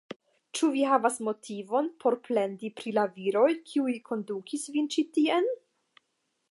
Ĉu vi havas motivon por plendi pri la viroj, kiuj kondukis vin ĉi tien?